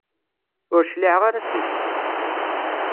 Ur cliɛeɣ ara seg-k.